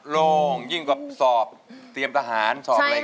โล่งยิ่งกว่าสอบเตรียมทหาร